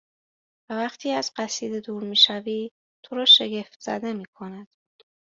و وقتی از قصیده دور می شوی تو را شگفتزده میکند